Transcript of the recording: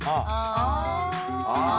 あ。